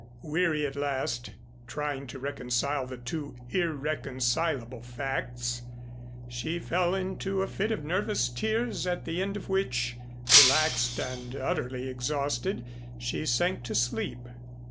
Weary at last, trying to reconcile the two irreconcilable facts, she fell into a fit of nervous tears at the end of which, relaxed and utterly exhausted, she sank to sleep.